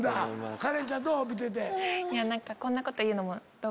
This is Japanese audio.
カレンちゃんどう？